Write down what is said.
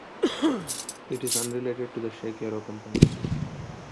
It is unrelated to the Czech Aero company.